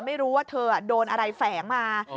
ไม่รู้ว่าเธอโดนอะไรแฝงมา